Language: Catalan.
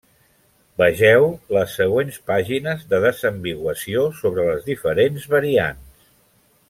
Vegeu les següents pàgines de desambiguació sobre les diferents variants.